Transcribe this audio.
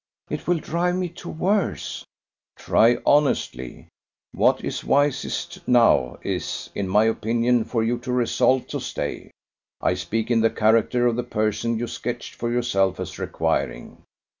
It will drive me to worse!" "Try honestly. What is wisest now is, in my opinion, for you to resolve to stay. I speak in the character of the person you sketched for yourself as requiring.